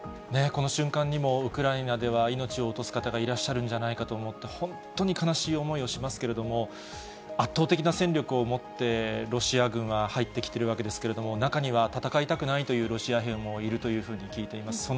この瞬間にもウクライナでは命を落とす方がいらっしゃるんじゃないかと思って、本当に悲しい思いをしますけれども、圧倒的な戦力を持って、ロシア軍は入ってきているわけですけれども、中には戦いたくないというロシア兵もいるというふうに聞いています。